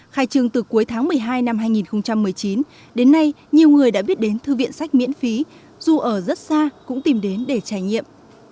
khai trường từ cuối tháng một mươi hai năm hai nghìn một mươi chín đến nay nhiều người đã biết đến thư viện sách miễn phí dù ở rất xa cũng tìm đến để trải nghiệm